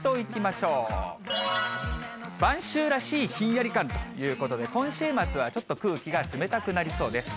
晩秋らしいひんやり感ということで、今週末はちょっと空気が冷たくなりそうです。